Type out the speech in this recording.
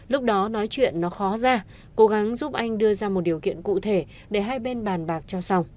lúc đó nói chuyện nó khó ra cố gắng giúp anh đưa ra một điều kiện cụ thể để hai bên bàn bạc cho sau